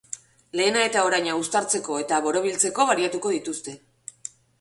Lehena eta oraina uztartzeko eta borobiltzeko baliatuko dituzte.